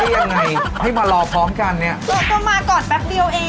เราจะอุ่นร้อนพร้อมทานให้ลูกค้าตลอดนะครับ